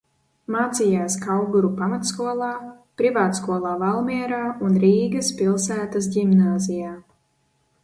Mācījās Kauguru pamatskolā, privātskolā Valmierā un Rīgas pilsētas ģimnāzijā.